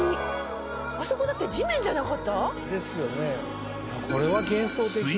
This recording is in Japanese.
あそこ地面じゃなかった⁉ですよね。